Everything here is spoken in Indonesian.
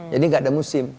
jadi nggak ada musim